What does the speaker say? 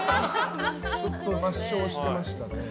ちょっと、抹消してましたね。